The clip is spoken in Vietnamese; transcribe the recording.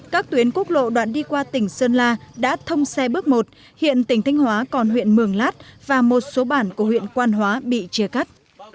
các tuyến quốc lộ đoạn đi qua tỉnh sơn la đã thông xe bước một hiện tỉnh thanh hóa còn huyện mường lát và một số bản của huyện quan hóa bị chia cắt